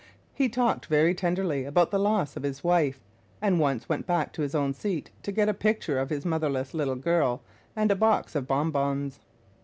He talked very tenderly about the loss of his wife, and once went back to his own seat to get a picture of his motherless little girl, and a box of bonbons.